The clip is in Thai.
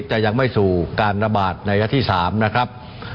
จะยังไม่สู่การระบาดในระยะที่๓นะครับ